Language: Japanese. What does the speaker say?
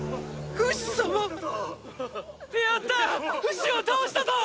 フシを倒したぞ！！